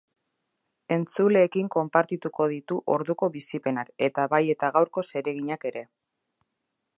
Entzuleekin konpartituko ditu orduko bizipenak eta bai eta gaurko zereginak ere.